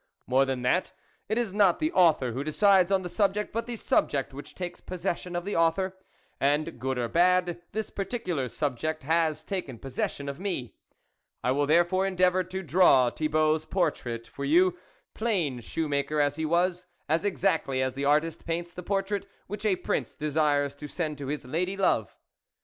More than that, It Is not the author who decides on the subject, but the subject which takes possession of the author, and, good or bad, this particular subject has taken possession of me. I will therefore endeavour to draw Thibault's portrait for you, plain shoe maker as he was, as exactly as the artist paints the portrait which a prince desires to send to his lady love.